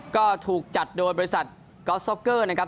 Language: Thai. ก็ถูกจัดโดยบริษัทกอล์ซ็อกเกอร์นะครับ